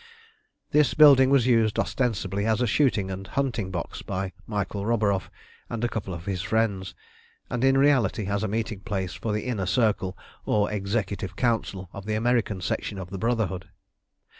This building was used ostensibly as a shooting and hunting box by Michael Roburoff and a couple of his friends, and in reality as a meeting place for the Inner Circle or Executive Council of the American Section of the Brotherhood.